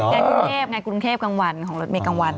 ไงกูเนธงานกูรุนเทพกังวันของหลสเมยกังวัน